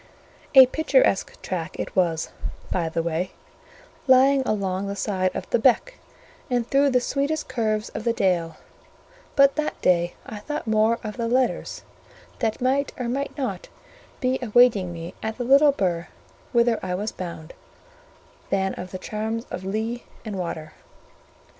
A picturesque track it was, by the way; lying along the side of the beck and through the sweetest curves of the dale: but that day I thought more of the letters, that might or might not be awaiting me at the little burgh whither I was bound, than of the charms of lea and water.